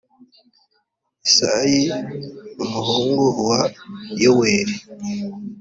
Yesayi numuhungu wa yoweli